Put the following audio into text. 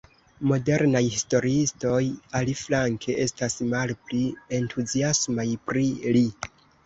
Modernaj historiistoj, aliflanke, estas malpli entuziasmaj pri li.